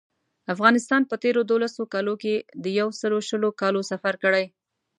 افغانستان په تېرو دولسو کالو کې د یو سل او شلو کالو سفر کړی.